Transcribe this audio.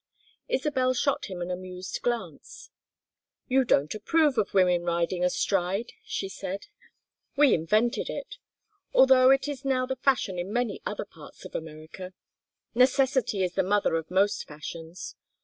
Isabel shot him an amused glance. "You don't approve of women riding astride," she said. "We invented it; although it is now the fashion in many other parts of America. Necessity is the mother of most fashions.